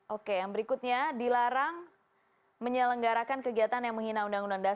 oke yang berikutnya dilarang menyelenggarakan kegiatan yang menghina undang undang dasar sembilan belas empat